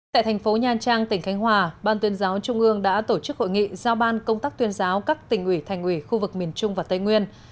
tại thành phố nha trang tỉnh khánh hòa ban tuyên giáo trung ương đã tổ chức hội nghị giao ban công tác tuyên giáo các tỉnh ủy thành ủy khu vực miền trung và tây nguyên